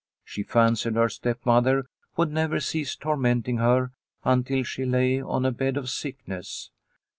She fancied her stepmother would never cease tormenting her until she lay on a bed of sickness.